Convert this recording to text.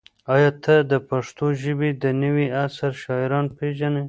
ایا ته د پښتو ژبې د نوي عصر شاعران پېژنې؟